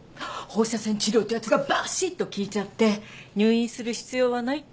放射線治療ってやつがばしっと効いちゃって入院する必要はないって。